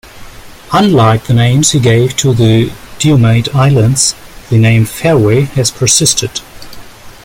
Unlike the names he gave to the Diomede Islands, the name "Fairway" has persisted.